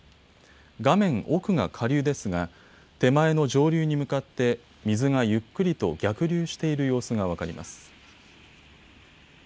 画面奥が下流ですが手前の上流に向かって水がゆっくりと逆流している様子が分かります。